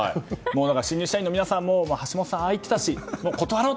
新入社員の皆さんも橋下さんがああ言っていたし断ろう！